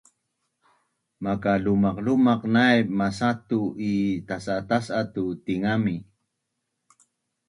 Maka lumaqlumaq naip masatu’ i tas’a tas’a tu tingami